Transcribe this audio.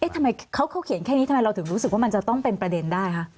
ทำไมเขาเขียนแค่นี้ทำไมเราถึงรู้สึกว่ามันจะต้องเป็นประเด็นได้คะ